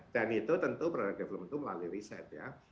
dan itu tentu product development itu melalui riset ya